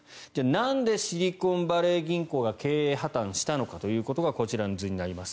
なんでシリコンバレー銀行が経営破たんしたのかというところがこちらの図になります。